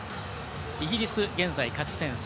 イギリス、現在勝ち点３。